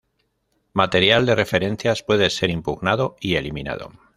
Material de referencias puede ser impugnado y eliminado.